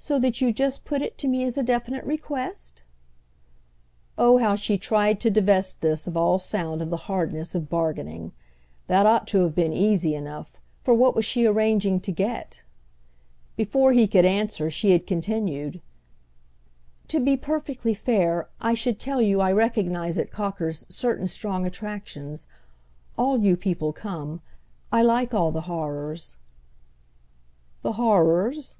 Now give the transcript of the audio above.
"So that you just put it to me as a definite request?"—oh how she tried to divest this of all sound of the hardness of bargaining! That ought to have been easy enough, for what was she arranging to get? Before he could answer she had continued: "To be perfectly fair I should tell you I recognise at Cocker's certain strong attractions. All you people come. I like all the horrors." "The horrors?"